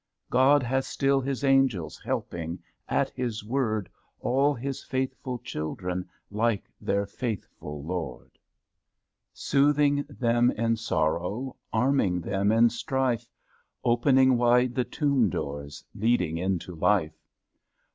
God has still His Angels Helping, at His word. All His faithful children, Like their faithful Lord. [ 40 ] Soothing them in sorrow, Arming them in strife, Opening wide the tomb doors. Leading into Hfe.